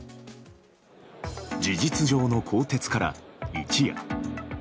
事実上の更迭から一夜。